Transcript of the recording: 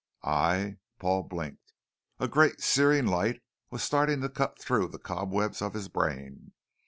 "I " Paul blinked. A great searing light was starting to cut through the cobwebs of his brain.